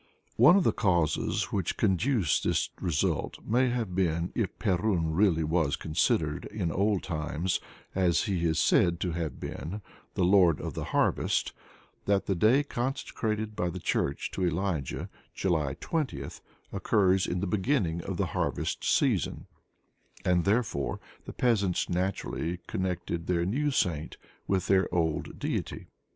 One of the causes which conduced to this result may have been if Perun really was considered in old times, as he is said to have been, the Lord of the Harvest that the day consecrated by the Church to Elijah, July 20, occurs in the beginning of the harvest season, and therefore the peasants naturally connected their new saint with their old deity.